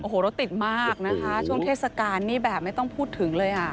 โอ้โหรถติดมากนะคะช่วงเทศกาลนี่แบบไม่ต้องพูดถึงเลยอ่ะ